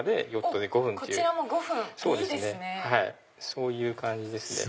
そういう感じですね。